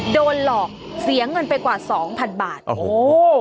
โดนหลอกเสียเงินไปกว่า๒๐๐๐บาทโอ้โฮ